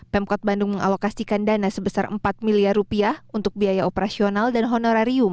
pemkot bandung mengalokasikan dana sebesar empat miliar rupiah untuk biaya operasional dan honorarium